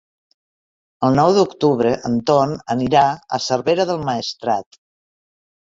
El nou d'octubre en Ton anirà a Cervera del Maestrat.